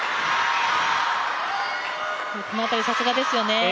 このあたりさすがですよね。